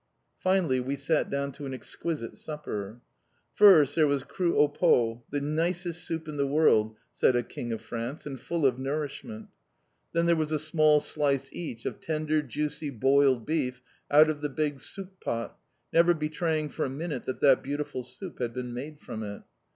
Finally we sat down to an exquisite supper. First, there was croûte au pot the nicest soup in the world, said a King of France, and full of nourishment. Then there was a small slice each of tender, juicy boiled beef out of the big soup pot, never betraying for a minute that that beautiful soup had been made from it.